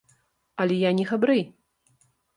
Але я не габрэй.